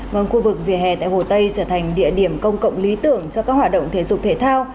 vâng khu vực vỉa hè tại hồ tây trở thành địa điểm công cộng lý tưởng cho các hoạt động thể dục thể thao